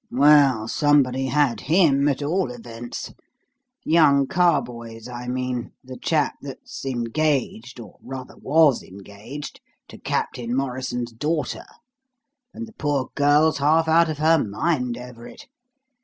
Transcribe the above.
"Well, somebody had him, at all events. Young Carboys, I mean the chap that's engaged, or, rather was engaged, to Captain Morrison's daughter; and the poor girl's half out of her mind over it.